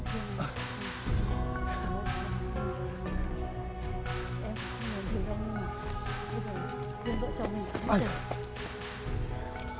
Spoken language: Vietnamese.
bây giờ dùm vợ chồng mình